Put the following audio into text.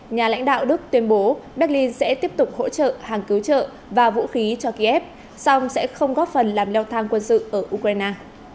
nhà lãnh đạo đức tuyên bố berlin sẽ tiếp tục hỗ trợ hàng cứu trợ và vũ khí cho kiev song sẽ không góp phần làm leo thang quân sự ở ukraine